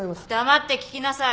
黙って聞きなさい。